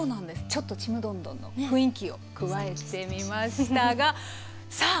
ちょっと「ちむどんどん」の雰囲気を加えてみましたがさあ